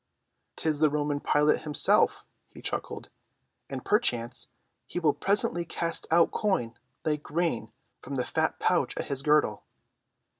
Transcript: "'Tis the Roman Pilate himself," he chuckled, "and perchance he will presently cast out coin like grain from the fat pouch at his girdle."